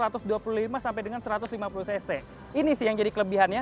ini sih yang jadi kelebihannya